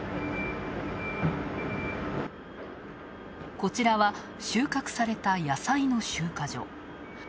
こちらは収穫された野菜の集荷所。